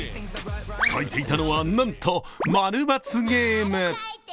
書いていたのはなんと○×ゲーム。